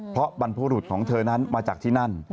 เพราะบรรพบุรุษของเธอนั้นมาจากที่นั่น